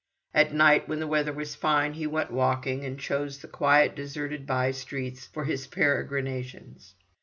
At night, when the weather was fine, he went walking, and chose the quiet, deserted bye streets for his peregrinations.